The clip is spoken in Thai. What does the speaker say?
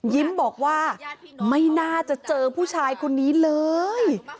ยิ้มบอกว่าไม่น่าจะเจอผู้ชายคนนี้เลย